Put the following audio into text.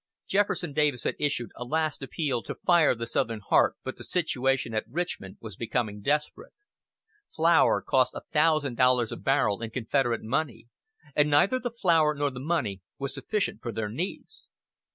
Jefferson Davis had issued a last appeal to "fire the southern heart," but the situation at Richmond was becoming desperate Flour cost a thousand dollars a barrel in Confederate money, and neither the flour nor the money were sufficient for their needs.